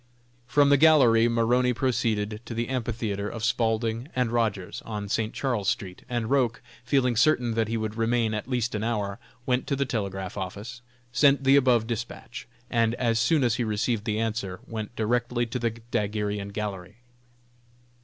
From the gallery Maroney proceeded to the amphitheatre of Spaulding & Rogers, on St. Charles street, and Roch, feeling certain that he would remain at least an hour, went to the telegraph office, sent the above despatch, and as soon as he received the answer, went directly to the daguerrean gallery.